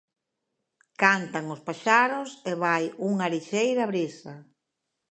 Cantan os paxaros e vai unha lixeira brisa.